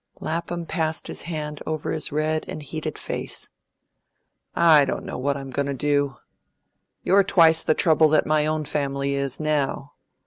Lapham passed his hand over his red and heated face. "I don't know what I'm going to do. You're twice the trouble that my own family is, now.